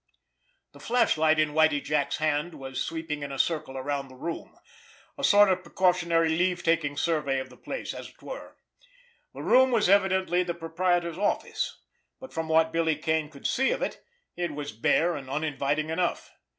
The flashlight in Whitie Jack's hand was sweeping in a circle around the room—in a sort of precautionary leave taking survey of the place, as it were. The room was evidently the proprietor's office; but from what Billy Kane could see of it, it was bare and uninviting enough.